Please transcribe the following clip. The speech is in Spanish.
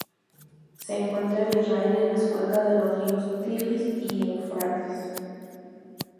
Se encuentra en Israel y en las cuencas de los ríos Tigris y Éufrates.